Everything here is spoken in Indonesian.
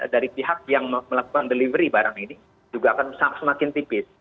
dari pihak yang melakukan delivery barang ini juga akan semakin tipis